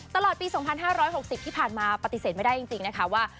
ตลอดปี๒๕๖๐ที่ผ่านมาปฏิเสธไม่ได้จริงนะคะว่า